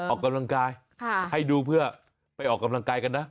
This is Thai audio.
ออกกำลังกายให้ดูเพื่อไปออกกำลังกายกันนะ